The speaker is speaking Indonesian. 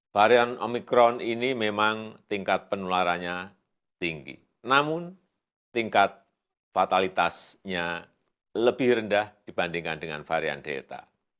varian omikron ini memang tingkat penularannya tinggi namun tingkat fatalitasnya lebih rendah dibandingkan dengan varian delta